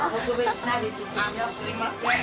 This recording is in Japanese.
△すいません。